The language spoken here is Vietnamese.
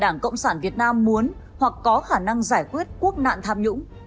đảng cộng sản việt nam muốn hoặc có khả năng giải quyết quốc nạn tham nhũng